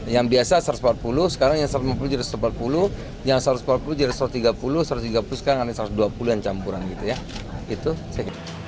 yang biasa satu ratus empat puluh sekarang yang satu ratus lima puluh jadi satu ratus empat puluh yang satu ratus empat puluh jadi satu ratus tiga puluh satu ratus tiga puluh sekarang ada satu ratus dua puluh yang campuran gitu ya